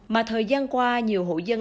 mà thời gian qua nhiều hộ dân